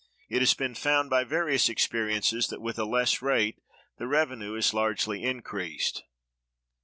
It has been found by various experiences that with a less rate the revenue is largely increased.